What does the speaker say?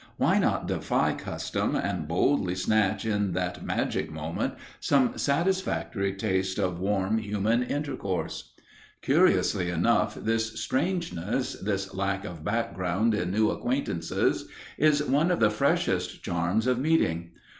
Why not defy custom and boldly snatch in that magic moment some satisfactory taste of warm human intercourse? Curiously enough, this strangeness this lack of background in new acquaintances is one of the freshest charms of meeting.